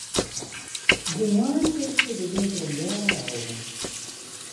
De moarnssesje begjint om healwei alven.